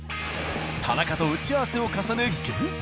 田中と打ち合わせを重ね厳選！